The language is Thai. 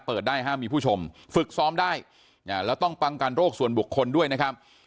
เปิดได้ห้ามมีผู้ชมฝึกซ้อมได้แล้วต้องป้องกันโรคส่วนบุคคลด้วยนะครับ